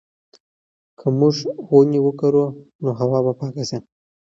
که موږ ونې وکرو نو هوا به پاکه شي.